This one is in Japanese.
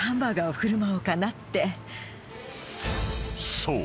［そう。